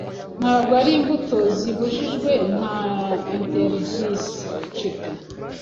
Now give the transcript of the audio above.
Ntabwo ari Imbuto zabujijwe, nta interdict